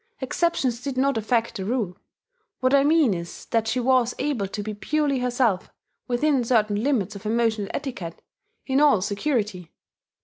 Exceptions did not affect the rule. What I mean is that she was able to be purely herself, within certain limits of emotional etiquette, in all security.